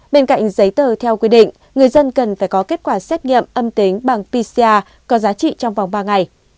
bên cạnh giấy tờ theo quy định người dân cần phải có kết quả xét nghiệm âm tính bằng pcr có giá trị trong vòng ba ngày